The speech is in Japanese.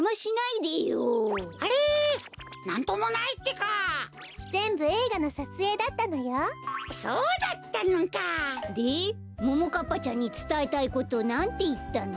でももかっぱちゃんにつたえたいことなんていったの？